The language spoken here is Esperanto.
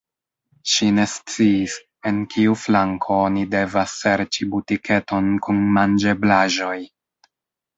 Ŝi ne sciis, en kiu flanko oni devas serĉi butiketon kun manĝeblaĵoj.